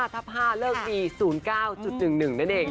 ทับ๕เลิกดี๐๙๑๑นั่นเอง